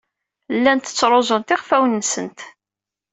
Llant ttruẓunt iɣfawen-nsent.